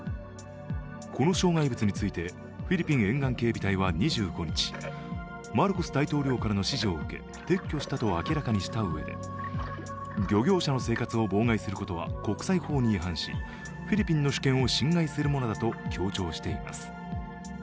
この障害物についてフィリピン沿岸警備隊は２５日マルコス大統領からの指示を受け撤去したと明らかにしたうえで漁業者の生活を妨害することは国際法に違反しフィリピンの主権を侵害するものだと強調しています。